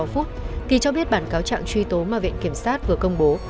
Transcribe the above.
chín h ba mươi sáu ki cho biết bản cáo trạng truy tố mà viện kiểm sát vừa công bố